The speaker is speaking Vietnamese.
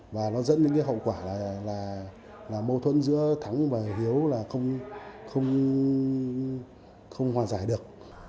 và nó dẫn đến cái hậu quả là mâu thuẫn giữa thắng và hiếu là không hòa giải được